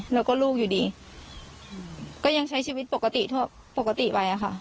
แล้วก็ลูกอยู่ดีก็ยังใช้ชีวิตปกติไปค่ะ